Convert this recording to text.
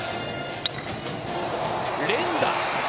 連打。